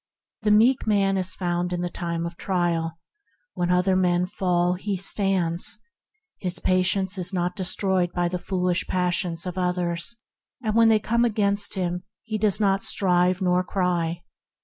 The meek man is found in the time of trial; when other men fall he stands. His patience is not destroyed by the foolish passions of others, and when they come against him he does not strive nor cry.